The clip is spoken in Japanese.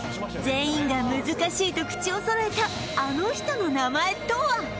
全員が難しいと口を揃えたあの人の名前とは？